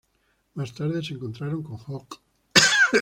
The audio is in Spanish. Más tarde, se encontraron con Hok.